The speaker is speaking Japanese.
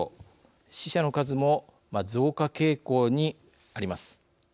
死者の数も増加傾向にあります。